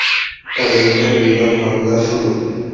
American বিমান হামলা শুরু।